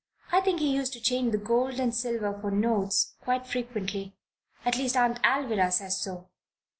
"I think he used to change the gold and silver for notes, quite frequently. At least, Aunt Alvirah says so."